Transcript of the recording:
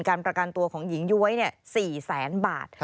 การประกันตัวของหญิงย้วย๔แสนบาท